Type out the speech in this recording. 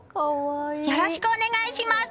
よろしくお願いします！